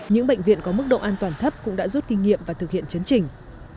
những bệnh viện có mức độ an toàn thấp cũng đã rút kinh nghiệm và thực hiện chấn trình